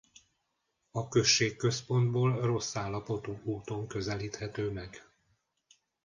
A községközpontból rossz állapotú úton közelíthető meg.